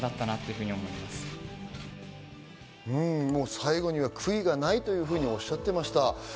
最後には悔いがないというふうにおっしゃっていました。